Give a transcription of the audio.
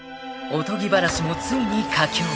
［おとぎ話もついに佳境］